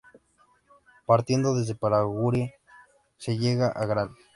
Partiendo desde Paraguarí se llega a Gral.